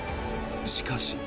しかし。